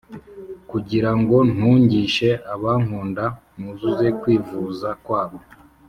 Kugira ngo ntungishe abankunda nuzuze kwivuza kwabo